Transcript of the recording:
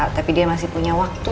tapi dia masih punya waktu